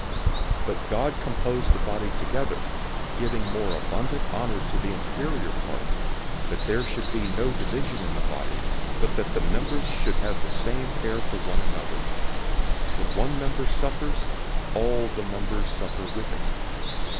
But God composed the body together, giving more abundant honor to the inferior part, 012:025 that there should be no division in the body, but that the members should have the same care for one another. 012:026 When one member suffers, all the members suffer with it.